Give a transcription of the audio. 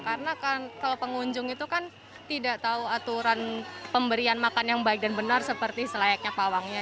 karena kalau pengunjung itu kan tidak tahu aturan pemberian makan yang baik dan benar seperti selayaknya pawangnya